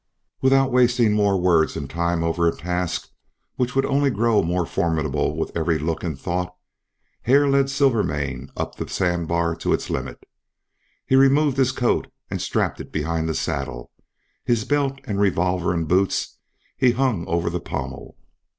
Without wasting more words and time over a task which would only grow more formidable with every look and thought, Hare led Silvermane up the sand bar to its limit. He removed his coat and strapped it behind the saddle; his belt and revolver and boots he hung over the pommel.